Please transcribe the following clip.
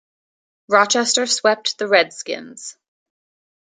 Rochester swept the Red Skins.